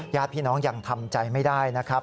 ญาติพี่น้องยังทำใจไม่ได้นะครับ